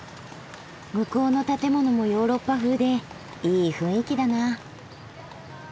向こうの建物もヨーロッパ風でいい雰囲気だな。